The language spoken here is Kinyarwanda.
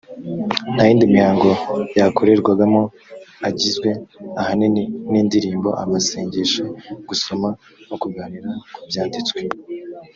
nta yindi mihango yakorerwagamo agizwe ahanini n’indirimbo amasengesho gusoma no kuganira ku byanditswe